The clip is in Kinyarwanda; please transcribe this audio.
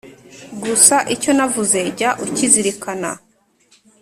Gusa icyo navuze jya ucyizirikana